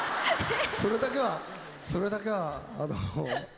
それだけはそれだけはあのね。